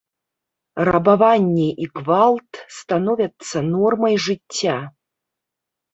Рабаванне і гвалт становяцца нормай жыцця.